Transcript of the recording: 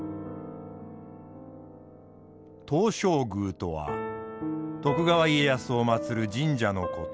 東照宮とは徳川家康を祭る神社のこと。